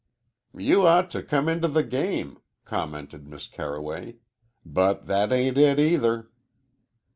"You ought to come into the game," commented Miss Carroway, "but that ain't it, either."